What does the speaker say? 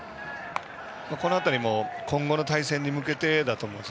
この辺りも今後の対戦に向けてだと思います。